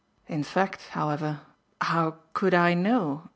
In fact, however, how could I know?